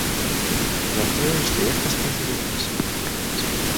За тое, што якасна зрабіў сваю працу.